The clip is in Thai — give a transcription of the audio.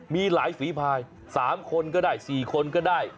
มีหลายฝีภาย๓คนก็ได้๔คนก็ได้